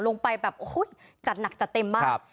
ลงไปแบบโอ้โหจัดหนักจัดเต็มมาก